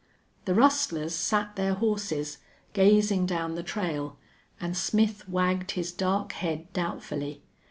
The rustlers sat their horses, gazing down the trail, and Smith wagged his dark head doubtfully.